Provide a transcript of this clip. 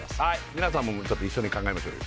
皆さんも一緒に考えましょうよ